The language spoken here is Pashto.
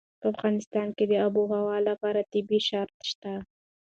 په افغانستان کې د آب وهوا لپاره طبیعي شرایط شته.